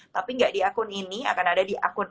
tapi nggak di akun ini akan ada di akun